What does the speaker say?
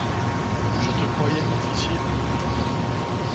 Je te croyais officier.